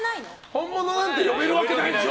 本物なんて呼べるわけないでしょ！